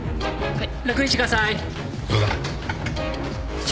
はい。